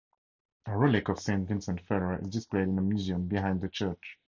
A relic of Saint Vincent Ferrer is displayed in a museum behind the church.